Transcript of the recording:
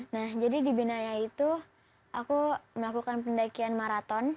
nah jadi di binaya itu aku melakukan pendakian maraton